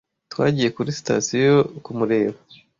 Twagiye kuri sitasiyo kumureba.